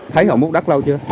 thấy họ múc đất lâu chưa